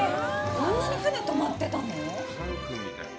こんなに船、とまってたの？